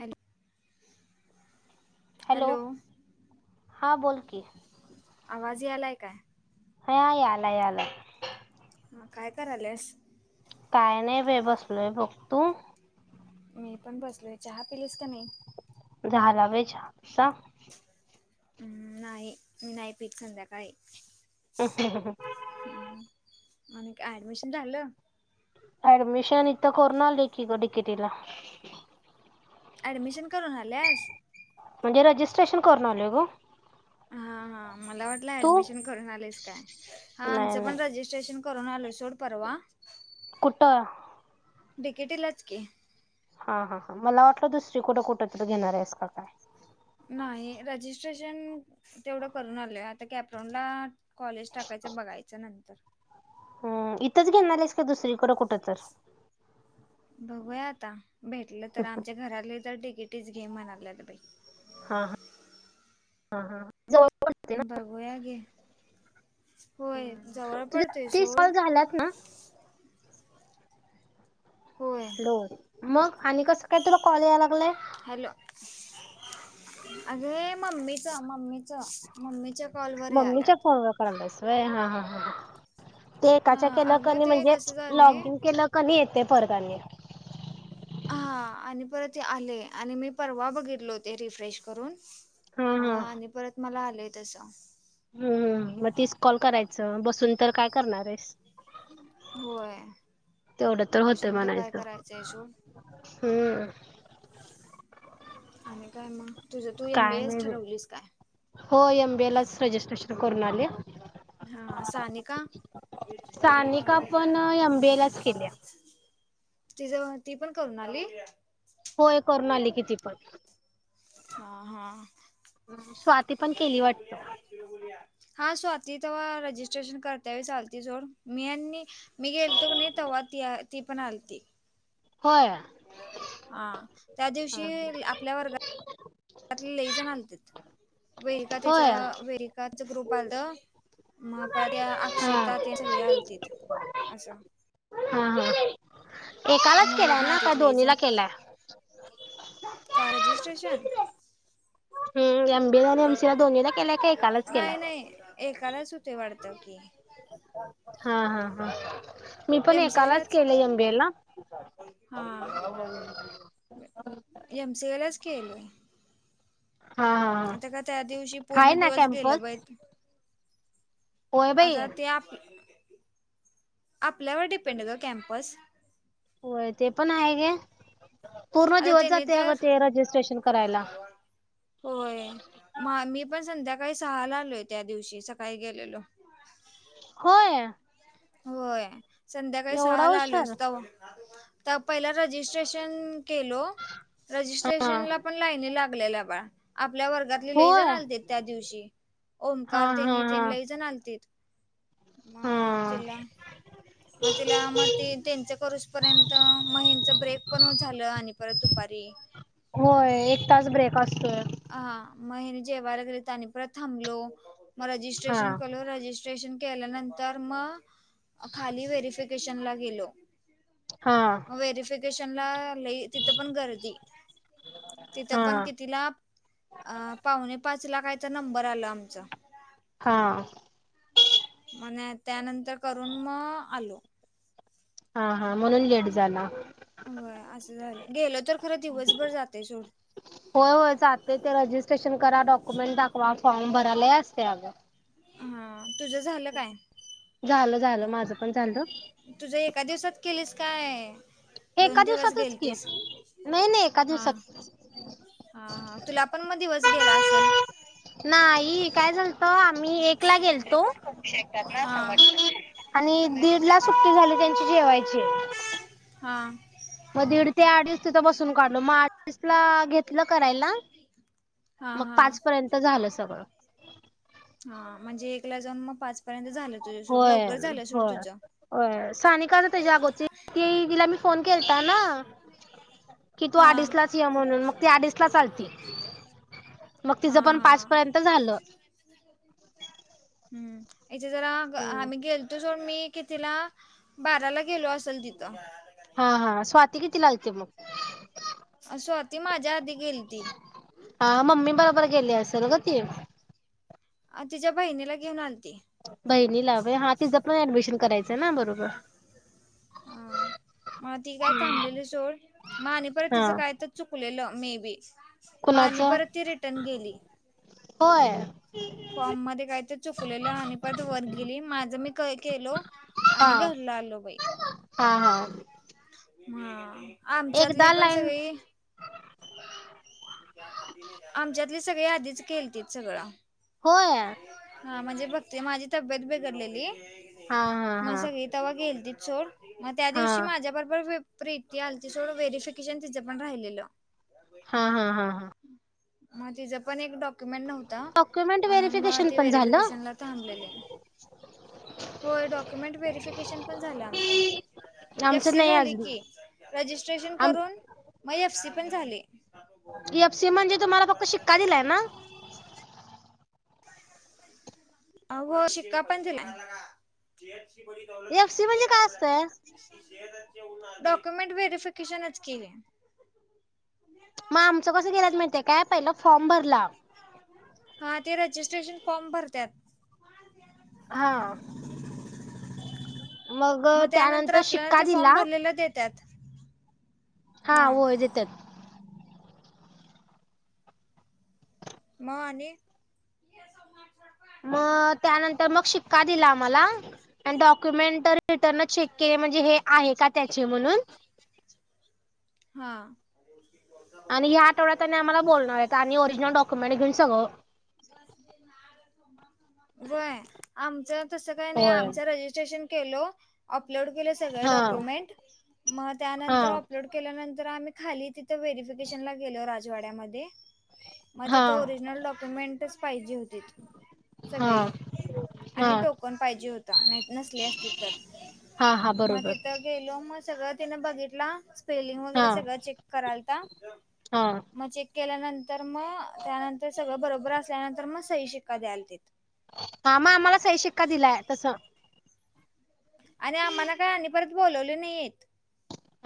ॅ हॅलो. हा बोल की आवाज या आलाय काय? ह याल याल आहे. ह काय करायलस? कायणे वेवस्लो बोक तो मी पण बसलोय चहा पिलीस का नाही. झालावे झा. हम्म नाही मी नाही पीक संध्याकाळी ह ह. आणि ॲडमिशन झा झालं. अऍडमिशन इथ कोर्नालेककी ग डिकेटला ॲडमिशन करून आल्यास म्हणजे रजिस्ट्रेशन करून आल ग हा हा मला वाटलं तू ऍडमिशन करून आलेस काय हा नाही आमच नाही पण रजि स्रेशन करून आलो सोड परवा कुठं तिकिटीलाच की हा हा हा मला वाटलं दुसरी कठं कुठ तरी घेणार आहेस काय नाही रजिस्ट्रेशन तेवढं करून आलेय आहे आता कॅप राऊंडला कॉलेज टाकायचं बघायच नंतर हम इथंच घेणारस का दुसरीकडं कुठं तर बघूया आता भेटलं तर आमच्या घराले तर तिकिटीच घे म्हणाल्यात बाई हा ह हा ह जण बघूया की होय जवळ तुझे पडतय तीस सोड कॉल झाल्यात ना होय लो मग आणि कसं काय तुला कॉल यायला लागलाय हॅलो अगं मम्मीचा मम्मीचा मम्मीच्या कॉल मम्मीच्या फोन वर करायलेस व्हय हा हा ते एकाच्या हा केलं अगं कनी ते म्हणजे कसं झालंय लॉगिन केलं कनी येते परतानी हा आणि परत ते आले आणि मी परवा बघितलो हो ते रिफ्रेश करून हा मग हा आणि परत मला आलंय तस हम्म मग तीस कॉल करायचं बसून तर काय करणार आहेस होय तेवढं होतं बसुन तर काय म्हणायचं करायचं सोड हम्म आणि काय मग तुझ तू एम बी काय ए नाही बाई. ठरवलीस काय हो एम बी ए लाच रजिस्ट्रेशन करून आली हा सानिका तिच सानिका पण एम बी ए लाच केल्या ती पण करून आली होय करून आली कि ती पण हा हा. स्वाती पण केली वाटत हा स्वाती तेव्हा रजिस्ट्रेशन करतावी चालते सोड मी आणि मी गेलतो क नाही तेव्हा ती पण आलती हो हा त्या दिवशी आपल्या वर्गात त्यातले लय जण आलतेत वेर का त्याच होय वेर च ग्रुप आलं मग परत त्या हा. हा अक्षेतात सगळे आलती असं हा हा एकालाच मुलं पण केलाय ना का आलतीत लई जण. दोन्हीला केलाय का रजिस्ट्रेशन हम् एम बी ए नाही नाही एकालाच होते वाटत की हा हा हा मी पण एम सी ए एकालाच लाच. केलं एम बी ए ला हा एम सी ए लाच केलोय हा हा हा. आता का त्या दिवशी पूर्ण हाय ना दिवस गेलं कॅम्पस बैत होय बाई आता ते आप आपल्यावर डिपेंड का कॅम्पस होय ते पण आहे गे पूर्ण आता दिवस त्यानी जाते अग तर ते रजिस्ट्रेशन करायला होय म मी पण संध्याकाळी सहाला आलोय त्या दिवशी सकाळी गेलेलो होय होय संध्याकाळी एवढा सहाला हुशार आलोसत पहिलं रजिस्ट्रेशन केलो हा रजिस्ट्रेशन ला पण लाइनी लागलेल्या बा आपल्या वर्गात ले लईजण होय. आलते त्या दिवशी हा ओंकार हा देनी ते हा. लईजण आलते मा हा तिला मग तिला मग ते त्यांच करूसपर्यंत महिनच ब्रेक पण झालं आणि परत दुपारी होय एक तास ब्रेक असतोय हा मगनी जेवर गेले त्यानी पर थांबलो मग हा. रजिस्ट्रेशन केलो र े केल्यानंतर मग खाली व्हेरफिकेशन ला गेलो हा व्हेरीिफिकेशनला ल तिथं पण गर्दी हा तिथं पण कितीिला पाहुणे पाचला कायचा नंबर आला आमचां हा मण त्यानंतर करून मग आलो हा हा म्हणून लेट झाला हो असं झालं गेल तर खरं दिवसभर जातय सोड होय होय चाातते ते रजिस्ट्रेशन करा डॉक्युमेंट दाखवा फॉर्म भरायला असते अगं हा तुझं झालं काय झाल झालं माझं पण झालं तुझ्या एका दिवसात केलीस काय दोन एका दिवस दिवसातच गेल की तस नाही नाही एका हा दिवसात हा हा तुला पण मग दिवस गेला असेल नाही काय झालत आम्ही एकला गेलतो हा सम आणि दीड ला सुट्टी झाली त्यांची जेवायची हा मग दीड ते अडीच तिथं बसून काढलो मग अडीच ला घेत तथलं करायला हा ना मग हा पाच पर्यंत झालं सगळं हा म्हणजे एकला जाऊन मग पाच पर्यंत झालं तुझ्या सोड लवकर झालं सोड तुझं अ साने का जातच्या अगोदची ती तिला मी फोन केलता ना कि तू हा अडीच लाच ये म्हणून मग ती अडीच ला चालते मग हा तिचं पण हा पाच पर्यंत झालं हम्म इथे जरा आम्ही गेल तो सोून मी कि तिला बाराला गेलो असेल तिथं हा हा स्वाती किती लालते मग स्वती माझ्या आधी गेली ती हा मम्मी बरोबर गेली असेल ग ती अ तिच्या बहिणीला घेऊन आणती बहिणी ला हव हा तिचं पण ऍडमिशन करायचं ना बरोबर हा मग ती काय थांबलेली सोड मग आणि परत तिचं हा. काय तर चुकलेलं मे बी मा आणि कुणाचं? परत ती रिटर्न गेली होय फॉर्म मध्ये काही तर चुकलेलं आणिपत वर गिली माझं मी काय केलो हा आणि घर लालोबाई हा हा हा आमच्यातली एकदा पण लाईन सगळी आमच्यातले सगळे यादीीच केलती सगळं हो हा म्हणजे बघते माझी तब्येत बिघडलेली हा हा मग हा सगळी तेव्हा गेल ती सोड मग त्या हा दिवशी माझ्याबरोबर प्रीती आलची सोडं व्हेरीिफिकेशन तिचं पण राहिलेलं हा हा हा हा मग तिच पण एक डॉक्युमेंट नव्हत डॉक्युमेंट म्हणून मग व्हेरिफिकेशन ती पण झालं व्हेरीिफिकेशनला थ कुमे व्हेेश आमचं नाही अजून. ीे आम मग एफ सी पण झाले एफसी म्हणजे तुम्हाला फक्त शिक्का दिलाय ना अ हो शिक्का पण दिला शेअ ची ब दौलत एफ सी कितकी नाही म्हणजे काय झाल असतंय? डॉक्युमेंट व्हेरिफिकेशनच के आहे मग आमचं कसं गेलात माळतेय काय पहिलं फॉर्म भरला हा ते रजिस्ट्रेशन फॉर्म भरतात हा मग त्यानंतर आपल्याला ते फॉर्म भरलेले देतात हा होय देतात म आणि मग त्यानंतर मग शिक्का दिला आम्हाला डॉक्युमेंट रिटर्न चेक केले म्हणजे हे आहे का त्याचे म्हणून हां आणि ह्या आठवड्यात त्यां आमला बोलणार आहे आम रिजनल डक्युमेंट घेऊन सगळं वय आमच त काही नाही होय आमच रजिस्ट्रेशन केलो अपलोड केले सगळे हा डॉक्युमेंट मग हा त्यानंतर अपलोड केल्यानंतर आम्ही खाली तिथ व्हेरफिकेशनला गेलो राजवाड्यामध्ये मग हा तिथं ओरिजनल डॉक्युमेंटच पाहिजे होती हा सगळे हा आणि टोकण पाहिजे होता नसली असते तर हा हा मग बरोबर तिथं गेलो मग सगळं तिनं बघितला स्पेलिंग हा वगैरे सगळं चेक कराल हा मग चेक केल्यानंतर मग त्यानंतर सगळं बरोबर असल्यानंतर मग सई शिक्का द्याला ते हा मग आम्हाला सही शिक्का दिलाय तस आणि आम्हाला काय आम्ही परत बोोलवले नाहीेत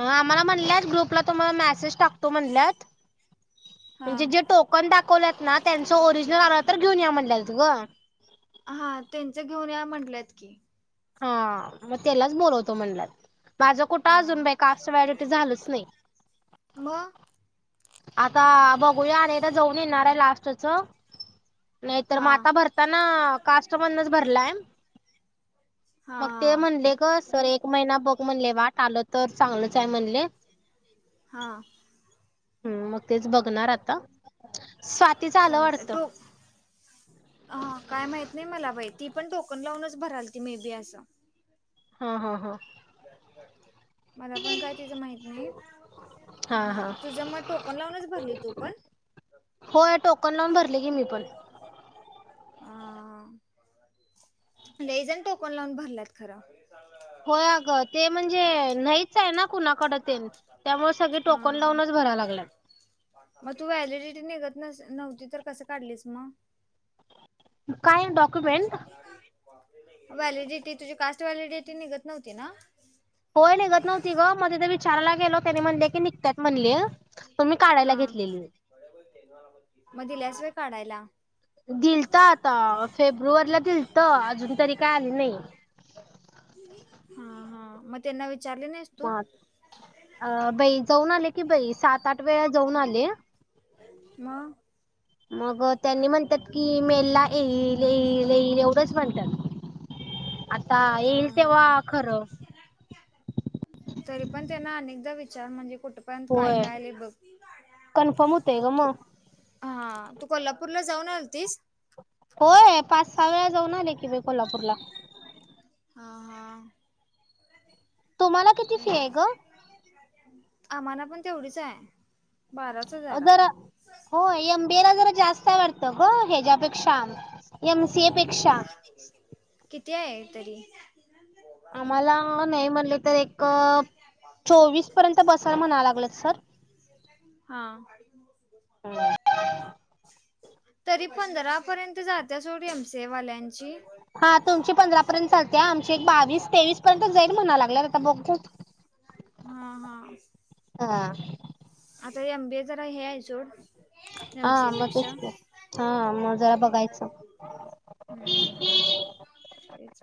आम्हाला म्हण ग्रुपला तुम्हाला मेसेज टाकतो म्हण म्हणजे हा ज कण दाखवल्यात ना त्यांचं ओरिजिनल आला तर घेऊन या म्हटल तु गं हा त्यांच घेऊन या म्हंटल्यात की हा मग त्यालाच बोलवतो म्हणलात माझं कुठं हा अजून बा का असं वयट झालंच नाही व आता बघूया आणिदा जाऊन येणार आहे लास्टच नाहीतर म हा आताा भर त्यांना काष्ट म्हणच भरलाय हा मग ते हा म्हणले ग सर एक महिना बघ म्हणले वाट आल तर चांगलच आहे म्हणले हां हम्म मग तेच बघणार आता स्वातीच आलं चाल वाटतं. तो ह काय माहत नाही मला बाई ती पण टोकन लावूनच भराल त मे बी असं हा हा हा मला पण काय तिचं माहित हा हा नाही तुझ मग टोकन लावूनच भरली तू पण हो या टोकन लावून भरले की मी पण अ लय जन टोकन लावून भरलात खरं होय अ ग ते म्हणजे नाहीच आहे ना कुणाकड ते त्यामुळे सगळे टोकन हा लावूनच भरायव लागत मग तू व्हॅलिडिटी निघत नव्हती तर कस काढलीस मग काय डॉक्युमेंट व्हॅलिडिटी तुझी कास्ट व्हॅलिडिटी निघत नव्हती ना होय निघत नव्हती ब मग तिथे विचाराला पण मी काढायला हा घेतलेली म दिल्यास होय काढायला दिल तर आता फेब्रुवारीला दिल तर अजून तरी काय आले नाही हा हा मग त्यांना विचारले नाही. म अ बाई जाऊन आले की बाई सात आठ वेळा जाऊन आले. म मग त्यांनी म्हणतात की मेलला येईल येईल येईल एवढंच म्हणतात. आता हा हा हेलतेवाखर तरी पण त्यांना अनेकदा विचार म्हणजे कुठ? पण काय होय कायले बघ कन्फर्म होतय ग तू मग हा तू कोल्हापूरला जाऊन आतीस. होय पाच सहा वेळा जाऊन आले की कोल्हापूरला हा हा. तुम्हाला किती फी आहे ग आम्हाना पण तेवढीच आहे. बाराच हजार जर हो यंबिला जरा जास्त वाटत ग हच्यापेक्षा आ. किती आहे तरी आम्हाला नाही म्हणले तर एक चोवीस पर्यंत बसायला म्हणा लागलं सर हा. ह. तरी पंधरापर्यंत जाते सोड एम सीए वाल्यांची हा तुमची पंधरा पर्यंत चालते आमची एक बावीस तेवीस पर्यंत जाईल म्हणा लागलेत आता बघ. हा हा. हा. आता एमबी जरा हे आहे सोड. हा मग एमसीपेक्षा तेच की हा मग जरा बघायचं हम्म हम्म तेच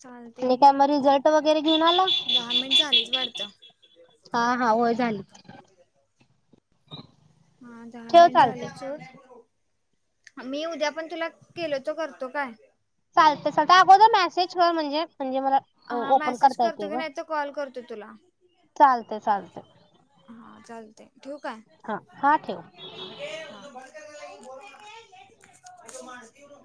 चालतय काय घे मग रिझल्ट वगैरे घेऊन आला. दहा मिनिट झालीच वाटतं. हा हा हो झाले. हा दहा ठेव मिनट झाले चालतंय च. मी उद्या पण तुला केलो तो करतो काय? चालते चालते अगोदर मेसेज कर म्हणजे म्हणजे मला हा ओपन मेसेज करता येते करतो की ग नाही तर कॉल करतो तुला चालते चालते हा चालते ठेवक आहे. हा हा ठेव ब ब तू माती ना.